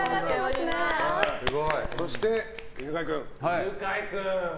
そして、犬飼君。